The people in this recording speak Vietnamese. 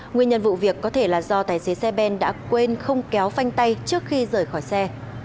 nguyên nhân vụ việc có thể là do tài xế xe ben đã quên không kéo phanh tay trước khi rời khỏi xe